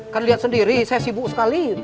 kan lihat sendiri saya sibuk sekali